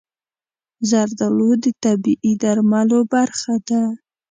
زردالو د طبیعي درملو برخه ده.